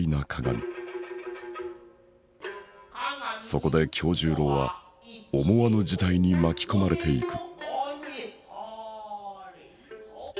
そこで今日十郎は思わぬ事態に巻き込まれていく。